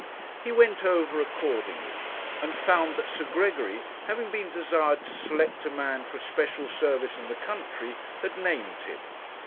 He went over accordingly, and found that Sir Gregory, having been desired to select a man for a special service in the country, had named him.